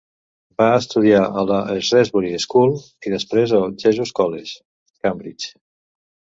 Va estudiar a la Shrewsbury School i després al Jesus College, Cambridge.